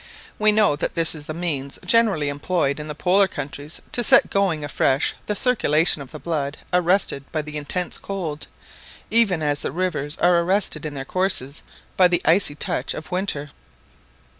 We know that this is the means generally employed in the polar countries to set going afresh the circulation of the blood arrested by the intense cold, even as the rivers are arrested in their courses by the icy touch of winter.